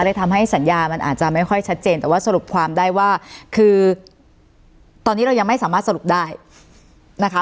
เลยทำให้สัญญามันอาจจะไม่ค่อยชัดเจนแต่ว่าสรุปความได้ว่าคือตอนนี้เรายังไม่สามารถสรุปได้นะคะ